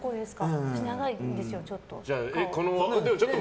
私、長いんですよ、ちょっと。